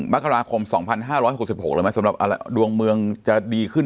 มักราคมสองพันห้าร้อยหกสิบหกเลยไหมสำหรับดวงเมืองจะดีขึ้น